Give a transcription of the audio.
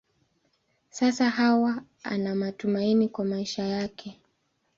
Sasa Hawa ana matumaini kwa maisha yake.